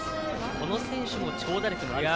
この選手も長打力のある選手。